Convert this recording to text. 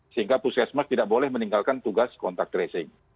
sehingga puskesmas tidak boleh meninggalkan tugas kontak tracing